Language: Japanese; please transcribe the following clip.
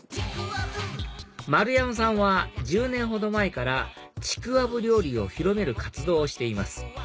丸山さんは１０年ほど前からちくわぶ料理を広める活動をしています